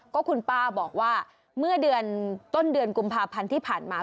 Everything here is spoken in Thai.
ก็คุณป้าบอกว่าเมื่อเดือนต้นเดือนกุมภาพันธ์ที่ผ่านมา